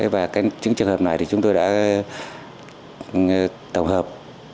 và những trường hợp này thì chúng tôi đã tổng hợp